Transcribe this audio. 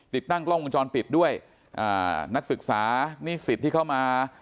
ติดตั้งกล้องวงจรปิดด้วยอ่านักศึกษานิสิตที่เข้ามา